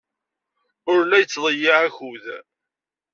Ur la yettḍeyyiɛ akud.